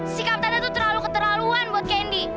sikap tante tuh terlalu keterlaluan buat candy